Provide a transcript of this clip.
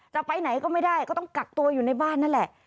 จะไปไหนก็ไม่ได้ก็ต้องกักตัวอยู่ในบ้านนั่นแหละ